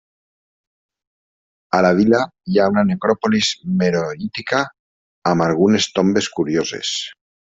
A la vila hi ha una necròpolis meroítica amb algunes tombes curioses.